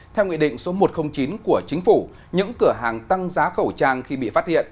theo nghị định số một trăm linh chín của chính phủ những cửa hàng tăng giá khẩu trang khi bị phát hiện